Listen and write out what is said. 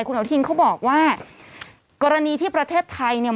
คุณอนุทินเขาบอกว่ากรณีที่ประเทศไทยเนี่ย